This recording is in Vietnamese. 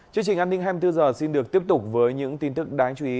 chương trình an ninh hai mươi bốn h xin được tiếp tục với những tin tức đáng chú ý